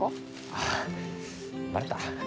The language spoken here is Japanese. ああバレた？